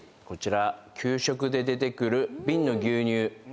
こちら給食で出てくる瓶の牛乳。